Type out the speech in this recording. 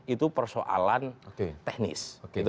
itu persoalan teknis